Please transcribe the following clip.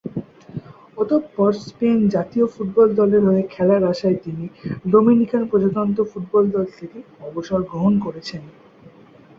অতঃপর স্পেন জাতীয় ফুটবল দলের হয়ে খেলার আশায় তিনি ডোমিনিকান প্রজাতন্ত্র ফুটবল দল থেকে অবসর গ্রহণ করেছেন।